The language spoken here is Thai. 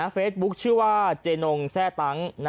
เฟซบุ๊คชื่อว่าเจนงแซ่ตังค์